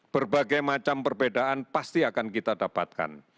berbagai macam perbedaan pasti akan kita dapatkan